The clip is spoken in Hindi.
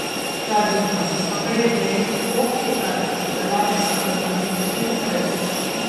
राजस्थान: पकड़े गए 'कोख के कातिल', दलाल डॉक्टर समेत तीन अरेस्ट